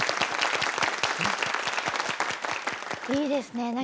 いいですね。